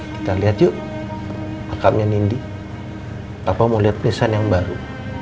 kita lihat yuk akabnya nindi apa mau lihat pesan yang baru